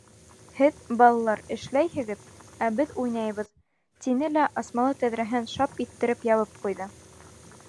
— Һеҙ, балалар, эшләйһегеҙ, ә беҙ — уйнайбыҙ. — тине лә асмалы тәҙрәһен шап иттереп ябып ҡуйҙы.